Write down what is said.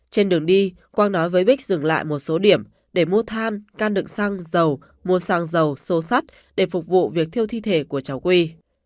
trên đường đi quang nói với bích dừng lại một số điểm để mua than can đựng xăng dầu mua xăng dầu xô sắt để phục vụ việc thiêu thi thể của cháu quy